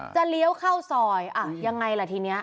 จะเลี้ยวเข้าสอยอ่ะยังไงล่ะทีเนี้ย